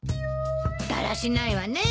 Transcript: だらしないわね。